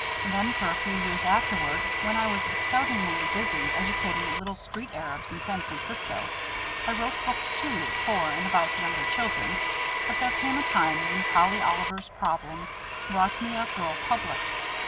Then for a few years afterward, when I was "scoutingly" busy educating little street Arabs in San Francisco, I wrote books, too, for and about younger children, but there came a time when "Polly Oliver's Problem" brought me a girl public.